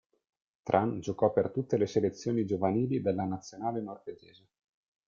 Tran giocò per tutte le selezioni giovanili della Nazionale norvegese.